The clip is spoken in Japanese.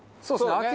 そうですね。